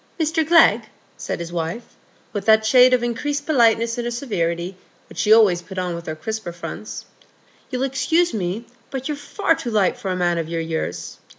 "Mr Glegg," said his wife, with that shade of increased politeness in her severity which she always put on with her crisper fronts, "you'll excuse me, but you're far too light for a man of your years.